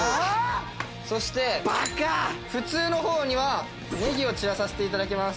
そして普通の方にはネギを散らさせて頂きます。